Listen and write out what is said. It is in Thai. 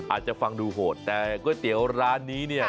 อาจจะฟังดูโหดแต่ก๋วยเตี๋ยวร้านนี้เนี่ย